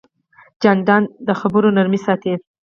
جانداد د خبرو نرمي ساتي.